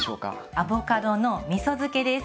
アボカドのみそ漬けです！